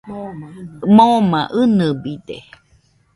Moma inɨbide.